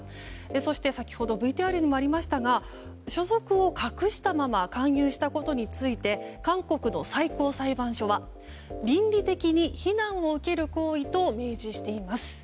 そして、先ほどＶＴＲにもありましたが所属を隠したまま勧誘したことについて韓国の最高裁判所は倫理的に非難を受ける行為と明示しています。